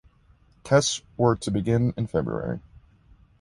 Tests were to begin in February.